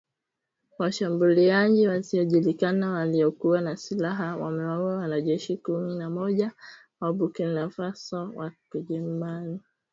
Washambuliaji wasiojulikana waliokuwa na silaha wamewaua wanajeshi kumi na moja wa Burkina Faso na kuwajeruhi